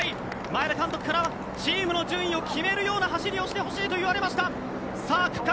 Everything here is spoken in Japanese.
前田監督からはチームの順位を決めるような走りをしてほしいと言われました。